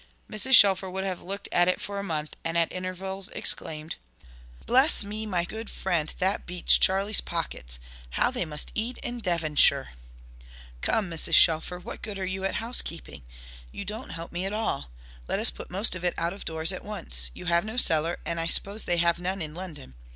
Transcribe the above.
Mrs. Shelfer would have looked at it for a month, and at intervals exclaimed, "Bless me, my good friend, that beats Charley's pockets. How they must eat in Devonshire!" "Come, Mrs. Shelfer, what good are you at housekeeping? You don't help me at all. Let us put most of it out of doors at once. You have no cellar, and I suppose they have none in London.